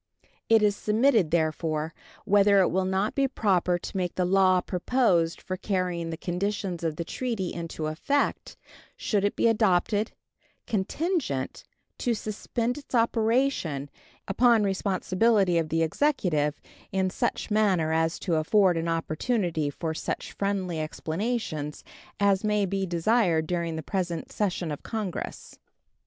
It is submitted, therefore, whether it will not be proper to make the law proposed for carrying the conditions of the treaty into effect, should it be adopted, contingent; to suspend its operation, upon the responsibility of the Executive, in such manner as to afford an opportunity for such friendly explanations as may be desired during the present session of Congress.